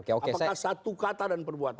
apakah satu kata dan perbuatan